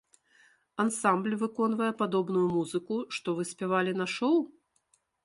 Ансамбль выконвае падобную музыку, што вы спявалі на шоў?